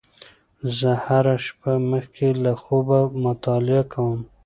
زه هره شپه مخکې له خوبه مطالعه کوم.